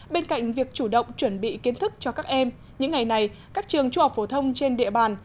bên cạnh việc chủ động chuẩn bị kiến thức cho các em những ngày này các trường trung học phổ thông trên địa bàn